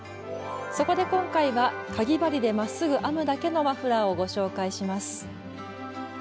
そこで今回はかぎ針でまっすぐ編むだけのマフラーをご紹介します。